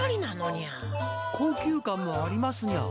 高級感もありますにゃ！